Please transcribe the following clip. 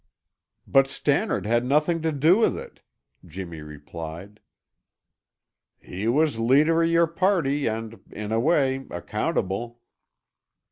"But Stannard had nothing to do with it," Jimmy replied. "He was leader o' your party and, in a way, accountable.